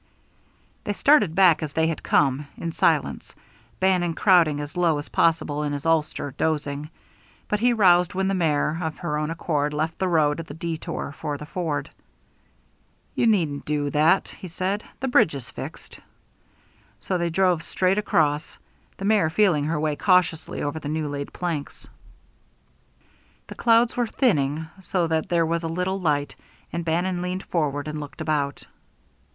They started back as they had come, in silence, Bannon crowding as low as possible in his ulster, dozing. But he roused when the mare, of her own accord, left the road at the detour for the ford. "You don't need to do that," he said. "The bridge is fixed." So they drove straight across, the mare feeling her way cautiously over the new laid planks. The clouds were thinning, so that there was a little light, and Bannon leaned forward and looked about.